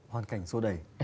hoàn cảnh sô đầy